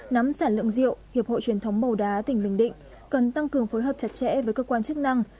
nắm sản lượng rượu hiệp hội truyền thống màu đá tỉnh bình định cần tăng cường phối hợp chặt chẽ với cơ quan chức năng